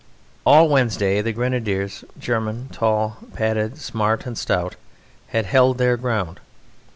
All Wednesday the Grenadiers, German, tall, padded, smart, and stout, had held their ground.